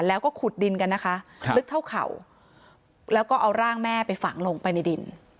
แล้วก็ขุดดินกันนะคะลึกเท่าเข่าแล้วก็เอาร่างแม่ไปฝังลงไปในดิน